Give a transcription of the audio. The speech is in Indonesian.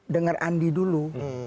dengar andi dulu